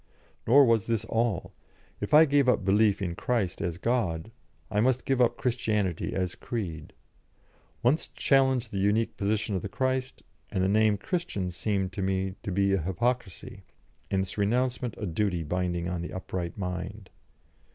Nor was this all. If I gave up belief in Christ as God, I must give up Christianity as creed. Once challenge the unique position of the Christ, and the name Christian seemed to me to be a hypocrisy, and its renouncement a duty binding on the upright mind.